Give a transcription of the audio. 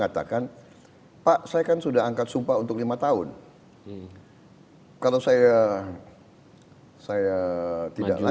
jadi untukchas prachyan strangely pemanahankan jan rihana